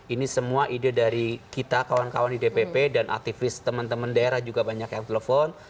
ini semua ide dari kita kawan kawan di dpp dan aktivis teman teman daerah juga banyak yang telepon